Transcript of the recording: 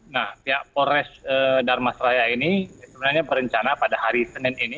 nah pihak polres darmas raya ini sebenarnya berencana pada hari senin ini